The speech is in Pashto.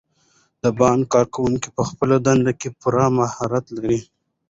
د بانک کارکوونکي په خپلو دندو کې پوره مهارت لري.